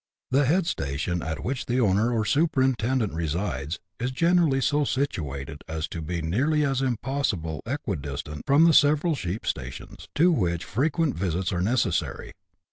The head station, at which the owner or superintendent resides, is generally so situated as to be as nearly as possible equi distant from the several siieep stations, to which frequent visits are necessary.